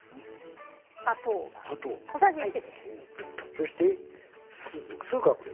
そして酢かこれ。